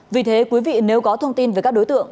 vì thế quý vị nếu có thông tin về các đối tượng